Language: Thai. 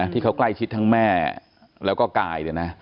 ที่เขากล้ายชิดทั้งแม่แล้วก็กาย